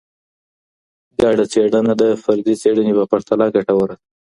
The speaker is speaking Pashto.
ګډه څېړنه د فردي څېړني په پرتله ګټوره ده.